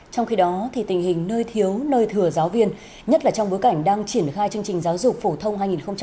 trong khi đó tình hình nơi thiếu nơi thừa giáo viên nhất là trong bối cảnh đang triển khai chương trình giáo dục phổ thông hai nghìn một mươi tám